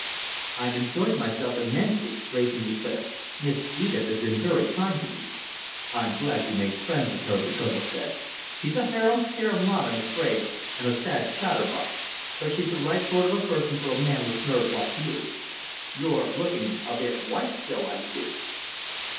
"I've enjoyed myself immensely," Wrayson declared. "Miss Edith has been very kind to me." "I'm glad you've made friends with her," the Colonel said. "She's a harum scarum lot, I'm afraid, and a sad chatterbox, but she's the right sort of a person for a man with nerves like you! You're looking a bit white still, I see!"